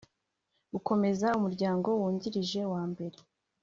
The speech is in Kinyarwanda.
gukomeza Umuryango Wungirije wa Mbere